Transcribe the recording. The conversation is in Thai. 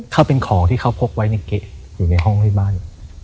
เขาเป็นของที่เขาพกไว้ในเกะอยู่ในห้องที่บ้าน